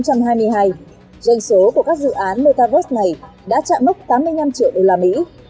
doanh số của các dự án metaverse này đã chạm mức tám mươi năm triệu usd